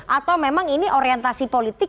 atau memang ini orientasi politik